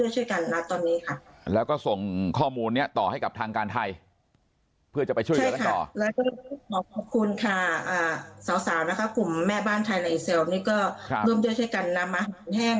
สาวกลุ่มแม่บ้านไทยในอีเซลร่วมด้วยใช้กันนำอาหารแห้ง